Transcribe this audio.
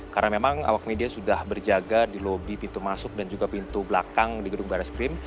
karena memang awak media sudah berjaga di lobi pintu masuk dan juga pintu belakang di gedung baras krim